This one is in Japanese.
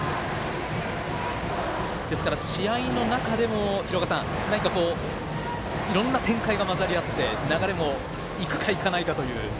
ですから、試合の中でも何か、いろんな展開が混ざり合って流れもいくかいかないかという。